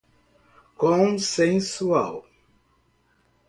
consensual